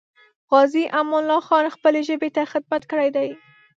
غازي امان الله خان خپلې ژبې ته خدمت کړی دی.